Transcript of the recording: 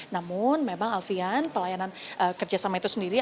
namun memang alfian pelayanan kerjasama itu sendiri